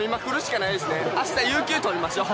明日有給とりましょう。